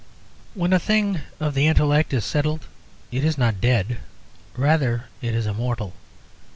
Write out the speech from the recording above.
When a thing of the intellect is settled it is not dead: rather it is immortal.